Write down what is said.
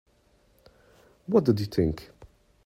What did you think?